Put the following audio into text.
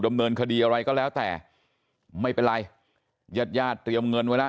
ดำเนินคดีอะไรก็แล้วแต่ไม่เป็นไรญาติญาติเตรียมเงินไว้แล้ว